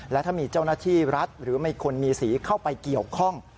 และถ้ามีเจ้าหน้าที่รัฐหรือมีคนมีสีเข้าไปเกี่ยวข้อง